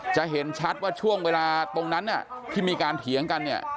จะเห็นชัดว่าช่วงเวลาตรงนั้นที่มีการเถียงกันเนี่ย